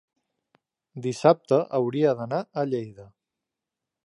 dissabte hauria d'anar a Lleida.